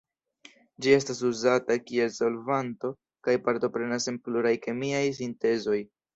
Ĝi estas uzata kiel solvanto kaj partoprenas en pluraj kemiaj sintezoj.